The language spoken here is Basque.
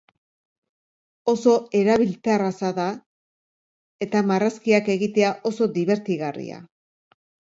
Oso erabilterraza da eta marrazkiak egitea oso dibertigarria.